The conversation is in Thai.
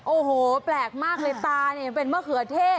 โอ้โหแปลกมากเลยตาเนี่ยเป็นมะเขือเท่